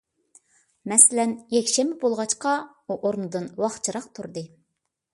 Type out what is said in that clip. مەسىلەن، يەكشەنبە بولغاچقا، ئۇ ئورنىدىن ۋاقچىراق تۇردى.